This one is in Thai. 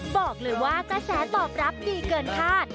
บอกเลยว่ากระแสตอบรับดีเกินคาด